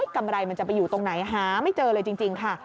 กำไรมันจะไปอยู่ตรงไหนหาไม่เจอเลยจริงค่ะ